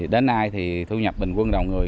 đến nay thì thu nhập bình quân đầu người